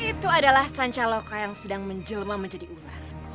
itu adalah sancaloka yang sedang menjelma menjadi ular